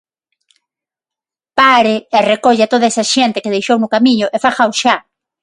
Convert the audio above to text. Pare, e recolla a toda esa xente que deixou no camiño, e fágao xa.